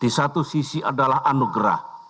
di satu sisi adalah anugerah